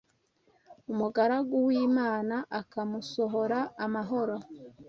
umugaragu w’Imana akamusohora amahoro